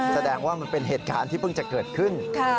แสดงว่ามันเป็นเหตุการณ์ที่เพิ่งจะเกิดขึ้น